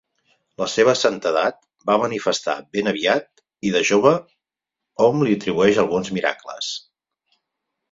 La seva santedat va manifestar ben aviat i de jove hom li atribueix alguns miracles.